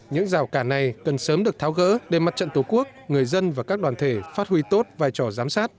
những rào cản này cần sớm được tháo gỡ để mặt trận tổ quốc người dân và các đoàn thể phát huy tốt vai trò giám sát